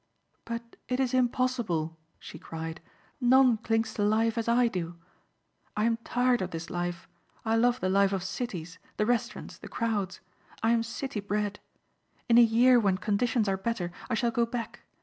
"But it is impossible," she cried. "None clings to life as I do. I am tired of this life. I love the life of cities, the restaurants, the crowds. I am city bred. In a year when conditions are better I shall go back.